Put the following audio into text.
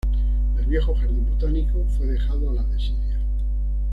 El viejo jardín botánico fue dejado a la desidia.